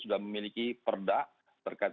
sudah memiliki perda terkait